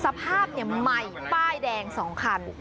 สภาพใหม่ป้ายแดง๒คัน